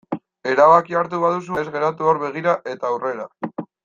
Erabakia hartu baduzu ez geratu hor begira eta aurrera.